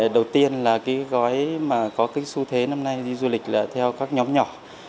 đầu tiên là gói có kích su thế năm nay đi du lịch là theo các nhóm nhỏ